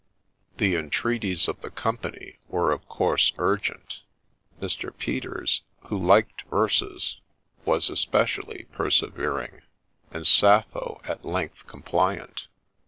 The entreaties of the company were of course urgent. Mr. Peters, ' who liked verses,' was especially persevering, and Sappho at length compliant.